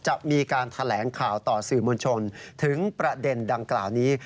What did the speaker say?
จะมีการแถลงข่าวต่อสื่อมวลชนถึงประเด็นดังกล่าวนี้